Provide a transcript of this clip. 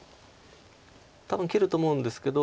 多分切ると思うんですけど。